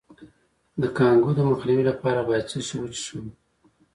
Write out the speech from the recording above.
د کانګو د مخنیوي لپاره باید څه شی وڅښم؟